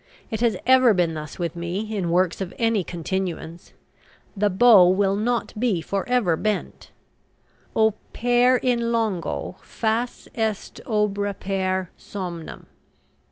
It has ever been thus with me in works of any continuance. The bow will not be for ever bent: "Opere in longo fas est obrepere somnum."